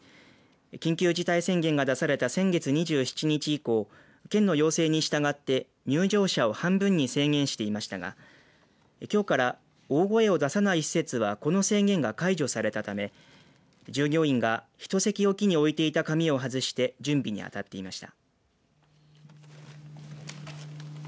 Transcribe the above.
緊急事態宣言が出された先月２７日以降県の要請に従って入場者を半分に制限していましたがきょうから大声を出さない施設はこの制限が解除されたため従業員が１席おきに置いてあった紙を外して準備にあたっていました。